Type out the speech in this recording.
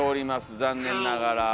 残念ながら。